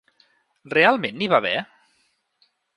Realment n’hi va haver?